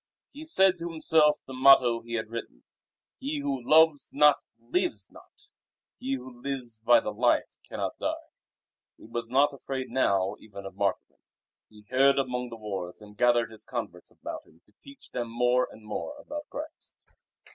He said to himself the motto he had written: ++| "HE WHO LOVES NOT, LIVES NOT! HE WHO || LIVES BY THE LIFE CANNOT DIE." |++ He was not afraid now even of martyrdom. He hid among the wharves and gathered his converts about him to teach them more and more about Christ.